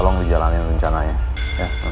tolong dijalanin rencananya